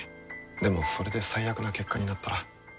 でもそれで最悪な結果になったら。